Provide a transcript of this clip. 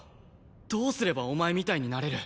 どうすればお前みたいになれる？